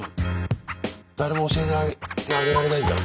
誰も教えてあげられないじゃん。